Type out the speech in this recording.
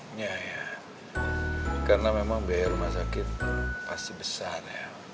enggak ya karena memang biaya rumah sakit pasti besar